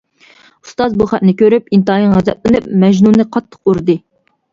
ئۇستاز بۇ خەتنى كۆرۈپ، ئىنتايىن غەزەپلىنىپ، مەجنۇننى قاتتىق ئۇردى.